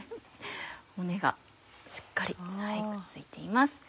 骨がしっかりくっついています。